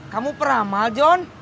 kamu peramal john